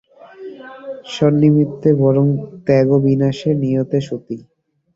সন্নিমিত্তে বরং ত্যাগো বিনাশে নিয়তে সতি।